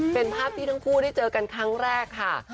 เป็นภาพที่ทั้งคู่ได้เจอกันครั้งแรกค่ะ